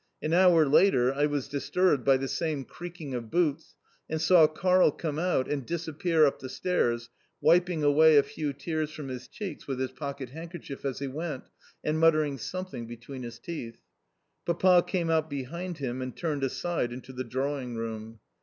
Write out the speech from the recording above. An hour later I was disturbed by the same creaking of boots, and saw Karl come out, and disappear up the stairs, wiping away a few tears from his cheeks with his pocket handkerchief as he went and muttering something between his teeth. Papa came out behind him and turned aside into the drawing room.